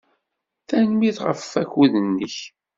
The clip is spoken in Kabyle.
Tanemmirt ɣef wakud-nnek.